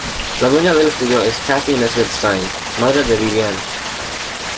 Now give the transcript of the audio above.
La dueña del estudio es Cathy Nesbitt-Stein, madre de Vivi-Anne.